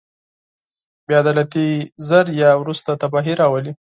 بې عدالتي ژر یا وروسته تباهي راولي.